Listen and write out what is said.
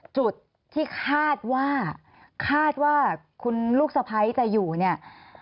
จุดที่คาดว่าคาดว่าคุณลูกสะพ้ายจะอยู่เนี่ย